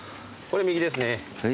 これ右ですね。